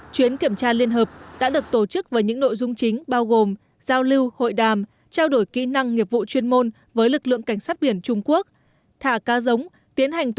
chuyến kiểm tra liên hợp nghề cá trên vịnh bắc bộ việt nam trung quốc lần thứ hai năm hai nghìn một mươi tám được thực hiện từ ngày hai mươi hai đến ngày hai mươi bảy tháng một mươi